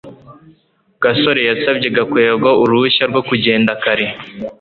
gasore yasabye gakwego uruhushya rwo kugenda kare